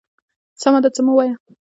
_سمه ده، څه مه وايه.